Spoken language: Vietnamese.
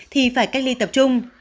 thì phải cách ly tập trung